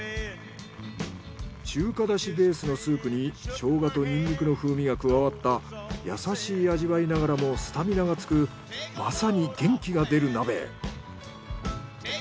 中華だしベースのスープにショウガとニンニクの風味が加わった優しい味わいながらもスタミナがつくまさに元気が出る鍋。